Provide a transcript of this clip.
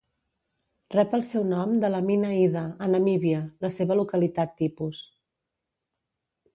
Rep el seu nom de la mina Ida, a Namíbia, la seva localitat tipus.